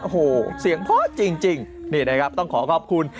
โอ้โหเสียงเพราะจริงนี่นะครับต้องขอขอบคุณ